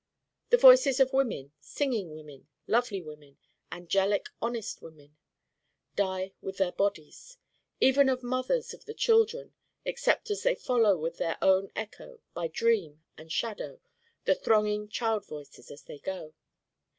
The voices of women singing women, lovely women, angelic honest women die with their bodies: even of mothers of the children except as they follow with their own echo, by dream and shadow, the thronging child Voices as they go.